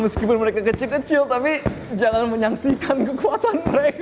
meskipun mereka kecil kecil tapi jangan menyaksikan kekuatan mereka